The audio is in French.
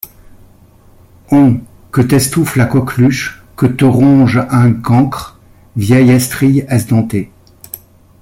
Hon! que t’estouffe la cocqueluche ! que te ronge ung cancre ! vieille estrille esdentée !